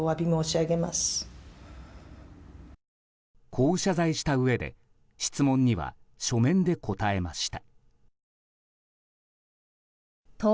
こう謝罪したうえで質問には書面で答えました。